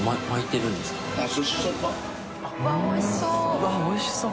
うわっおいしそう！